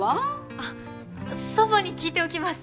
あっ祖母に聞いておきます。